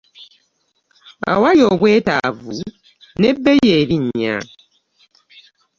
Awali obwetaavu n'ebbeeyi erinnya.